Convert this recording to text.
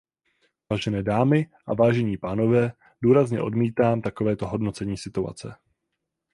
Vážené dámy a vážení pánové, důrazně odmítám takovéto hodnocení situace.